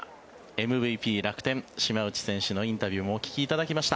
ＭＶＰ、楽天島内選手のインタビューもお聞きいただきました。